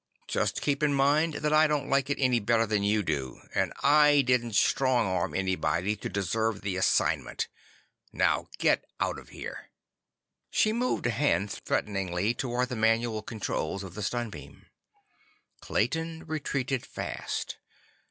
"Just keep it in mind that I don't like it any better than you do—and I didn't strong arm anybody to deserve the assignment! Now get out of here!" She moved a hand threateningly toward the manual controls of the stun beam. Clayton retreated fast.